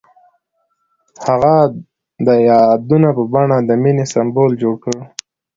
هغه د یادونه په بڼه د مینې سمبول جوړ کړ.